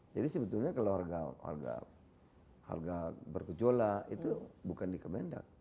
jadi sebetulnya kalau harga berkejolak itu bukan dikebendang